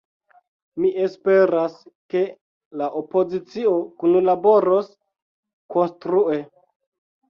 Mi esperas, ke la opozicio kunlaboros konstrue.